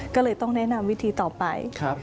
ก็เลยต้องแนะนำวิธีต่อไป